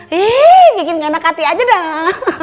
hei bikin gak enak hati aja dah